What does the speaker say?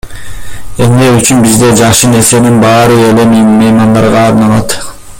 Эмне үчүн бизде жакшы нерсенин баары эле меймандарга арналат?